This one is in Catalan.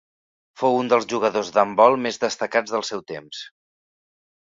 Fou un dels jugadors d'handbol més destacats del seu temps.